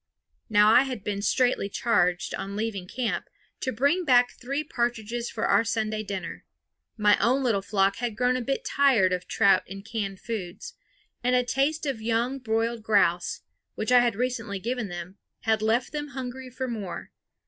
Now I had been straitly charged, on leaving camp, to bring back three partridges for our Sunday dinner. My own little flock had grown a bit tired of trout and canned foods; and a taste of young broiled grouse, which I had recently given them, had left them hungry for more.